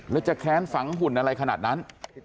แล้วจะแค้นฝังหุ่นอะไรขนาดนั้น